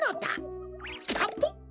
カポッ！